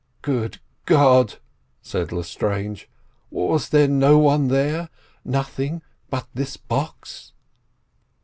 "Good God!" said Lestrange. "Was there no one there—nothing but this box?"